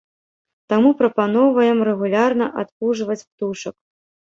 Таму прапаноўваем рэгулярна адпужваць птушак.